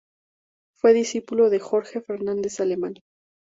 Fue discípulo de Jorge Fernández Alemán.